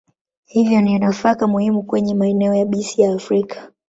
Hivyo ni nafaka muhimu kwenye maeneo yabisi ya Afrika.